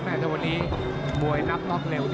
หากวันนี้มวยนับน็อตรอกเร็ว